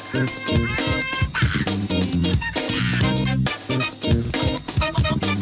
ใหม่กว่าเดิม